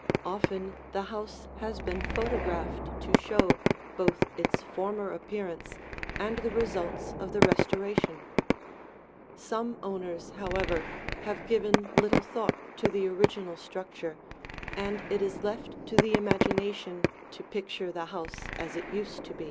Often the house has been photographed to show both its former appearance and the results of the restoration. Some owners, however, have given little thought to the original structure, and it is left to the imagination to picture the house as it used to be.